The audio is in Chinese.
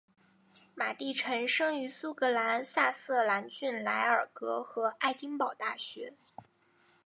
马地臣生于苏格兰萨瑟兰郡莱尔格和爱丁堡大学。